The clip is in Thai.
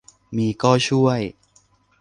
มีก็ช่วย